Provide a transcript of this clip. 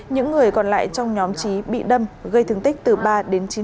những người còn lại trong nhóm trí bị đâm gây thương tích từ ba đến chín